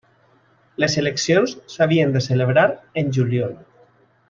Les eleccions s'havien de celebrar en juliol.